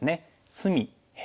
隅辺